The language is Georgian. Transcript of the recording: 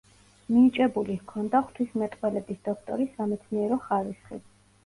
მინიჭებული ჰქონდა ღვთისმეტყველების დოქტორის სამეცნიერო ხარისხი.